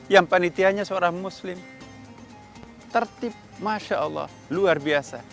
yang panitianya seorang muslim tertib masya allah luar biasa